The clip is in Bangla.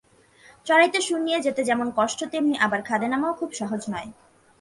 চড়াইতে সুর নিয়ে যেতে যেমন কষ্ট, তেমনি আবার খাদে নামাও খুব সহজ নয়।